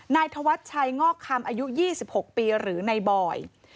นายธวัชชัยงอกคำอายุ๒๖ปีหรือนายบอย